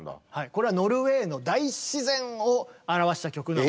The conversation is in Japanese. これはノルウェーの大自然を表した曲なので。